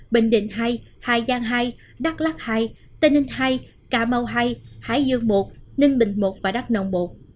bình định hai hải giang hai đắk lắc hai tây ninh hai cà mau hai hải dương một ninh bình một và đắk nông một